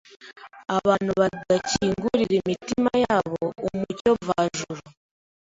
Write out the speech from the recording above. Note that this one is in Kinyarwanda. Abantu badakingurira imitima yabo umucyo mvajuru,